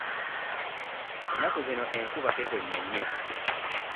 Ennaku zino enkuba tetonnya nnyo.